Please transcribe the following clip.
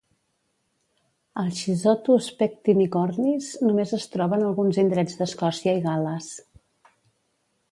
El Schizotus pectinicornis només es troba en alguns indrets d'Escòcia i Gal·les.